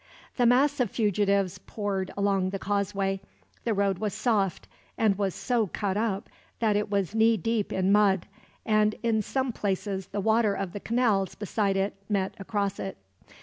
The mass of fugitives poured along the causeway. The road was soft, and was so cut up that it was knee deep in mud; and in some places the water of the canals beside it met across it.